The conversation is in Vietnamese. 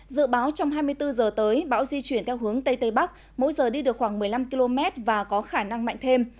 dự báo trong hai mươi bốn h tới bão di chuyển theo hướng tây tây bắc mỗi giờ đi được khoảng một mươi năm km và có khả năng mạnh thêm